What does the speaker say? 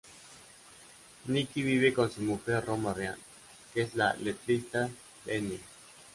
Nicky vive con su mujer Roma Ryan, que es la letrista de Enya.